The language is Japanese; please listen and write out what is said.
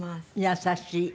優しい。